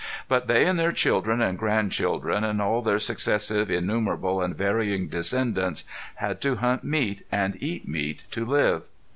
But they and their children and grandchildren, and all their successive, innumerable, and varying descendants had to hunt meat and eat meat to live.